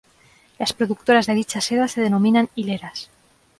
Las productoras de dicha seda se denominan hileras.